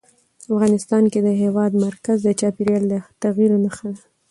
افغانستان کې د هېواد مرکز د چاپېریال د تغیر نښه ده.